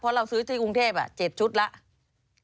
เพราะเราซื้อที่กรุงเทพ๗ชุดแล้ว